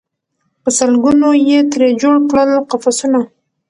په سل ګونو یې ترې جوړ کړل قفسونه